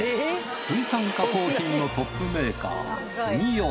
水産加工品のトップメーカースギヨ。